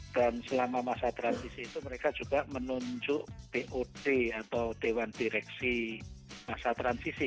dan selama masa transisi itu mereka juga menunjuk pod atau dewan direksi masa transisi